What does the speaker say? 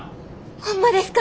ホンマですか！？